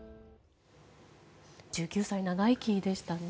１９歳長生きでしたね。